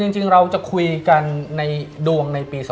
จริงเราจะคุยกันในดวงในปี๒๕๖